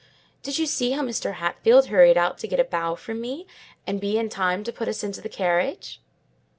Did you see how Mr. Hatfield hurried out to get a bow from me, and be in time to put us into the carriage?"